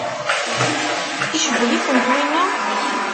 Icewwel-ikent winna?